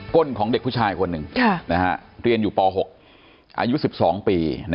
้นของเด็กผู้ชายคนหนึ่งเรียนอยู่ป๖อายุ๑๒ปี